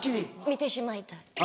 見てしまいたい。